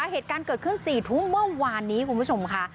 เหตุการณ์เกิดขึ้น๔ทุ่มเมื่อวานนี้คุณผู้ชมค่ะ